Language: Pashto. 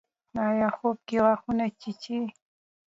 ایا خوب کې غاښونه چیچئ؟